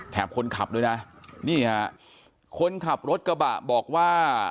คนขับด้วยนะนี่ฮะคนขับรถกระบะบอกว่า